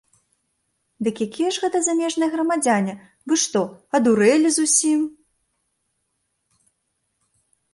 Дык якія ж гэта замежныя грамадзяне, вы што, адурэлі зусім?!